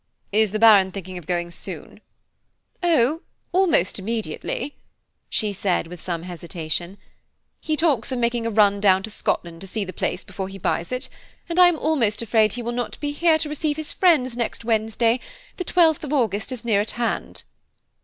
"Is the Baron thinking of going soon?" "Oh, almost immediately," she said with some hesitation. "He talks of making a run down to Scotland to see the place before he buys it, and I am almost afraid he will not be here to receive his friends next Wednesday–the 12th of August is near at hand."